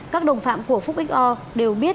các đồng phạm của phúc xo đều biết